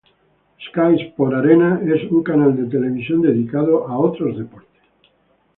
Sky Sport Arena es un canal de televisión dedicado a otros deportes.